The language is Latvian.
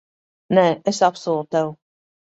Nē, es apsolu tev.